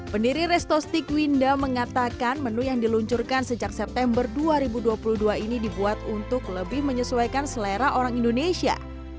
pendiri restostik winda mengatakan menu yang diluncurkan sejak september dua ribu dua puluh dua ini dibuat untuk lebih menyesuaikan selera orang indonesia